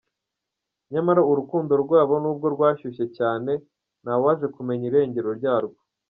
Nyamara urukundo rwabo n’ubwo rwashyushye cyane, ntawaje kumenya irengero ryarwo.